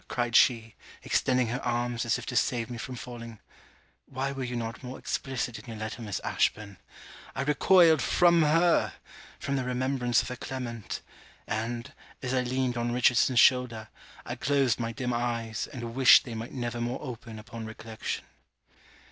cried she, extending her arms as if to save me from falling. Why were you not more explicit in your letter, Miss Ashburn? I recoiled from her, from the remembrance of her Clement and, as I leaned on Richardson's shoulder, I closed my dim eyes, and wished they might never more open upon recollection.